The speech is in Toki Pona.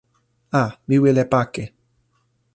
a, mi wile pake.